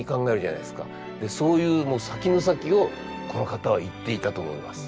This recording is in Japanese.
でそういう先の先をこの方は行っていたと思います。